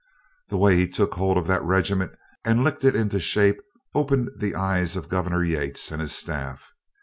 The way he took hold of that regiment and licked it into shape opened the eyes of Governor Yates and his staff.